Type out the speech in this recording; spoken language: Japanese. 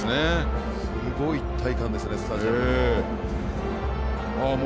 すごい一体感ですねスタジアムも。